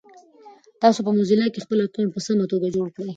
تاسو په موزیلا کې خپل اکاونټ په سمه توګه جوړ کړی؟